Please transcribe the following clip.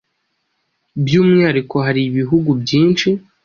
by’umwihariko hari ibihugu byinshi